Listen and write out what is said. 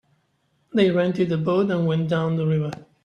They rented a boat and went down the river.